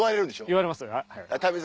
言われますよ。